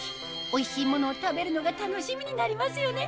おいしいものを食べるのが楽しみになりますよね？